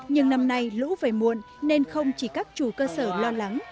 nhưng năm nay lũ về muộn nên không chỉ các chủ cơ sở lo lắng